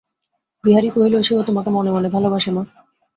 বিহারী কহিল, সে-ও তোমাকে মনে মনে ভালোবাসে, মা।